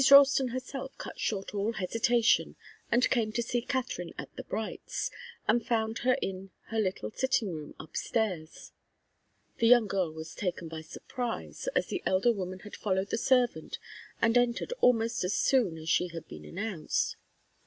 Ralston herself cut short all hesitation and came to see Katharine at the Brights', and found her in her little sitting room upstairs. The young girl was taken by surprise, as the elder woman had followed the servant and entered almost as soon as she had been announced.